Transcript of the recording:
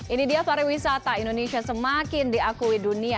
ini dia pariwisata indonesia semakin diakui dunia